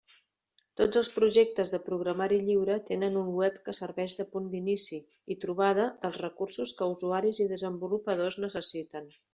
Tots els projectes de programari lliure tenen un web que serveix de punt d'inici i trobada dels recursos que usuaris i desenvolupadors necessiten.